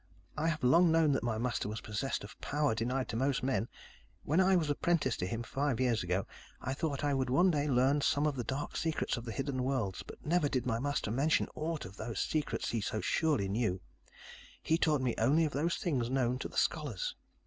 I have long known that my master was possessed of power denied to most men. When I was apprenticed to him five years ago, I thought I would one day learn some of the dark secrets of the hidden worlds, but never did my master mention aught of those secrets he so surely knew. He taught me only of those things known to the scholars.